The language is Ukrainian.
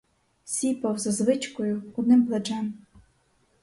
Сіпав, за звичкою, одним плечем.